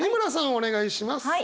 お願いします。